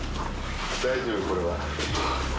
大丈夫これは。